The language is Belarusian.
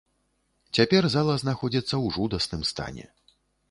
Цяпер зала знаходзіцца ў жудасным стане.